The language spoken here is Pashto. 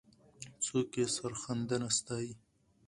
څوک یې سرښندنه ستایي؟